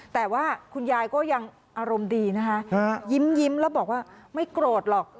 แต่ว่าคุณยายก็ยังอารมณ์ดีนะคะยิ้มแล้วบอกว่าไม่โกรธหรอก